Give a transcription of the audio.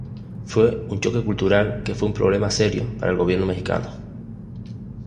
Fue un choque cultural que fue un problema serio para el gobierno mexicano.